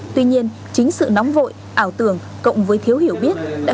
tuy nhiên chính sự nóng vội ảo tưởng cộng với thiếu hiểu biết